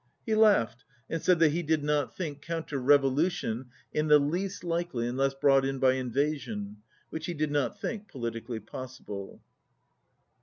He laughed, and said that he did not think 137 counter revolution in the least likely unless brought in by invasion, which he did not think politically possible.